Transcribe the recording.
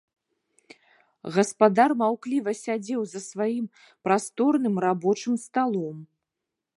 Гаспадар маўкліва сядзеў за сваім прасторным рабочым сталом.